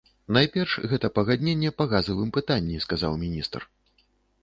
Найперш гэта пагадненне па газавым пытанні, сказаў міністр.